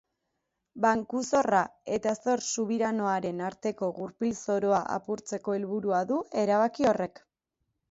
Banku-zorra eta zor-subiranoaren arteko gurpil zoroa apurtzeko helburua du erabaki horrek.